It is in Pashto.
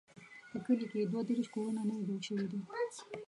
په کلي کې دوه دیرش کورونه نوي جوړ شوي دي.